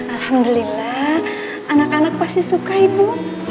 alhamdulillah anak anak pasti suka ibu